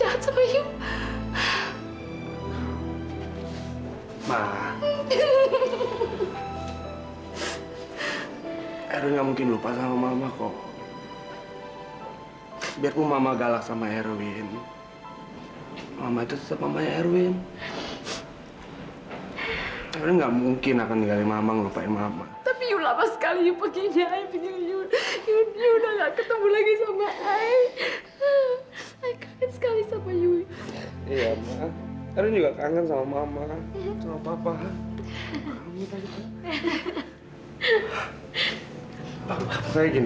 harusnya kamu itu kalau jaga anak jangan pernah lepas dari pandangan